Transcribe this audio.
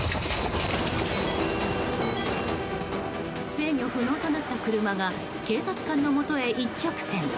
制御不能となった車が警察官のもとへ一直線。